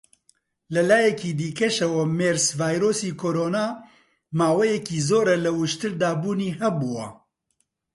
لە لایەکی دیکەشەوە، مێرس-ڤایرۆسی کۆڕۆنا ماوەیەکی زۆرە لە وشتردا بوونی هەبووە.